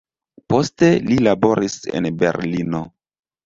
Poste li laboris en Berlino.